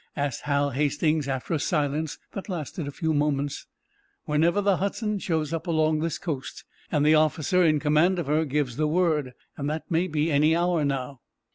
asked Hal Hastings, after a silence that lasted a few moments. "Whenever the 'Hudson' shows up along this coast, and the officer in command of her gives the word. That may be any hour, now."